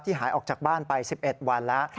หายออกจากบ้านไป๑๑วันแล้ว